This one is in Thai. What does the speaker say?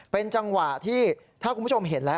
เป็นจังหวะที่ถ้าคุณผู้ชมเห็นแล้ว